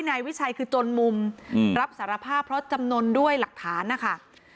นายวิชัยคือจนมุมรับสารภาพเพราะจำนวนด้วยหลักฐานนะคะ